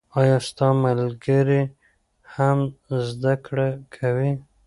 آیا ستا ملګري هم زده کړې کوي؟